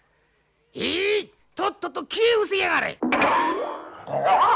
えいとっとと消えうせやがれ！